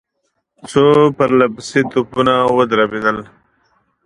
څو پرله پسې توپونه ودربېدل.